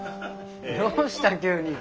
どうした急に。